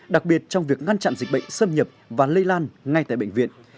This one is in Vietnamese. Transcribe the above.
đặc biệt trong việc ngăn chặn dịch bệnh xâm nhập và lây lan ngay tại bệnh viện